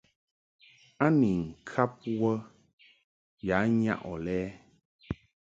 A ni ŋkab wə ya nyaʼ ɔ lɛ ?